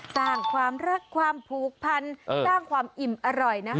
สร้างความรักความผูกพันสร้างความอิ่มอร่อยนะคะ